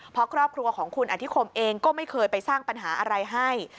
เพราะครอบครัวของคุณอธิคมเองก็ไม่เคยไปสร้างปัญหาอะไรให้